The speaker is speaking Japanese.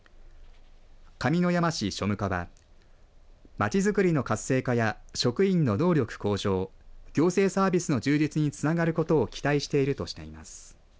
上山市庶務課はまちづくりの活性化や職員の能力向上行政サービスの充実につながることを期待しているとしています。